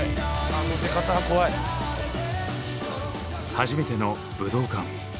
初めての武道館。